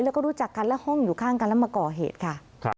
แล้วก็รู้จักกันและห้องอยู่ข้างกันแล้วมาก่อเหตุค่ะ